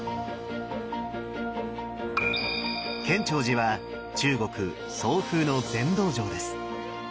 建長寺は中国・宋風の禅道場です。